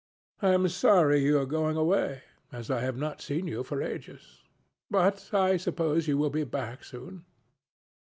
I am sorry you are going away, as I have not seen you for ages. But I suppose you will be back soon?"